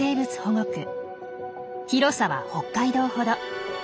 広さは北海道ほど。